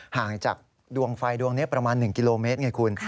ห่างจากดวงไฟดวงนี้ประมาณ๑กิโลเมตรไงคุณ